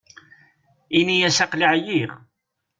Ini-as aql-i ɛyiɣ.